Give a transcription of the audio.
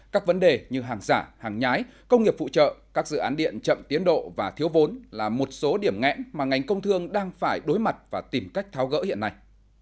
các vấn đề như hàng giả hàng nhái công nghiệp phụ trợ các dự án điện chậm tiến độ và thiếu vốn là một số điểm nghẽn mà ngành công thương đang phải đối mặt và tìm cách tháo gỡ hiện nay